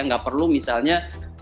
nggak perlu misalnya